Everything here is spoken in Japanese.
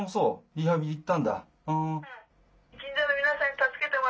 リハビリ行ったんだ。